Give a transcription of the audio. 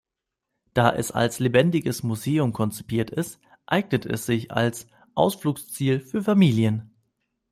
Da es als lebendiges Museum konzipiert ist, eignet es sich als Ausflugsziel für Familien.